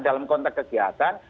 dalam konteks kegiatan